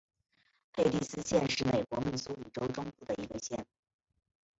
佩蒂斯县是美国密苏里州中部的一个县。